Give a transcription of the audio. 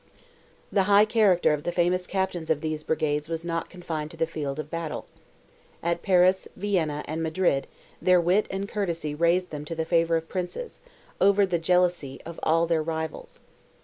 The high character of the famous captains of these brigades was not confined to the field of battle. At Paris, Vienna, and Madrid, their wit and courtesy raised them to the favour of princes, over the jealousy of all their rivals.